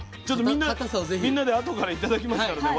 みんなであとから頂きますからね。